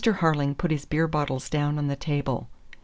Harling put his beer bottles down on the table.